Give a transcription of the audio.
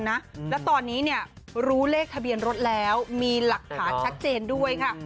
แล้วตอนนี้เนี่ยรู้เลขทะเบียนรถแล้วมีหลักฐานชัดเจนด้วยค่ะ